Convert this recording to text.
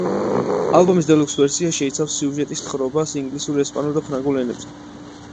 ალბომის დელუქს ვერსია შეიცავს სიუჟეტის თხრობას ინგლისურ, ესპანურ და ფრანგულ ენებზე.